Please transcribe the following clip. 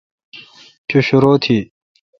چو شرو تھی۔